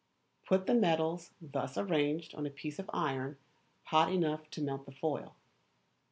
Put the metals thus arranged on a piece of iron hot enough to melt the foil.